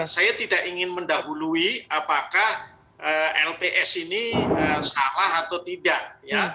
saya tidak ingin mendahului apakah lps ini salah atau tidak ya